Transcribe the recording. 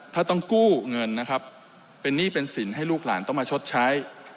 ถ้าต้องกู้เงินนะครับเป็นหนี้เป็นสินให้ลูกหลานต้องมาชดใช้